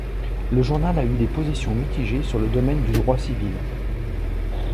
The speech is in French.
Le journal a eu des positions mitigées sur le domaine du droit civil.